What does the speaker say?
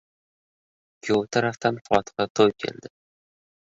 Kuyov tarafdan fotiha to‘y keldi.